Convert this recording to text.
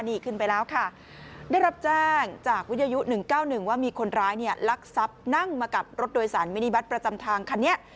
นี่ขึ้นไปแล้วค่ะได้รับแจ้งจากวิทยุ๑๙๑ว่ามีคนร้ายเนี่ยลักทรัพย์นั่งมากับรถโดยสารมินิบัตรประจำทางคันนี้